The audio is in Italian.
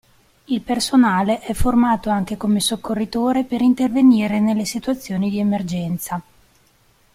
Il personale è formato anche come soccorritore per intervenire nelle situazioni di emergenza.